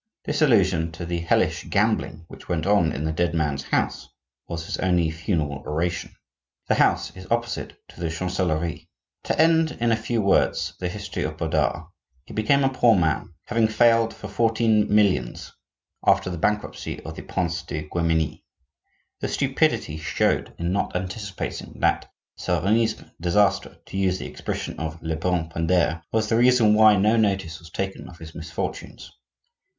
This allusion to the hellish gambling which went on in the dead man's house, was his only funeral oration. The house is opposite to the Chancellerie. To end in a few words the history of Bodard,—he became a poor man, having failed for fourteen millions after the bankruptcy of the Prince de Guemenee. The stupidity he showed in not anticipating that "serenissime disaster," to use the expression of Lebrun Pindare, was the reason why no notice was taken of his misfortunes.